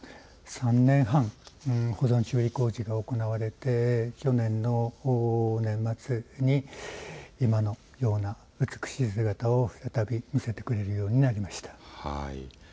３年半、保存修理工事が行われて去年の年末に今のような美しい姿を再び見せてくれるようになりました。